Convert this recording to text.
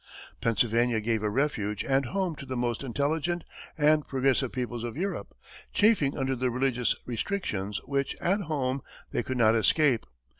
Pennsylvania gave a refuge and home to the most intelligent and progressive peoples of Europe, chafing under the religious restrictions which, at home, they could not escape.